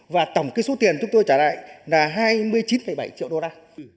và tổng số tiền chúng tôi trả lại là hai mươi chín bảy triệu đô la